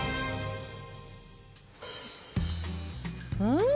うん！